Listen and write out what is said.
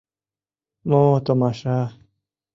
Мо томаша!